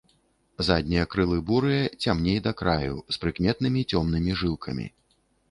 Заднія крылы бурыя, цямней да краю, з прыкметнымі цёмнымі жылкамі.